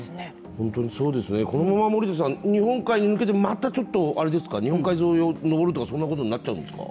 本当にそうですね、このまま日本海に抜けて、日本海沿いを上るということになってくるんですか？